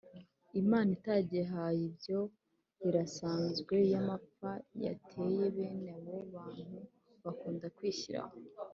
imana itagihaye. ibyo birasanzwe: iyo amapfa yateye, bene abo bantu bakunda kwishyiraho.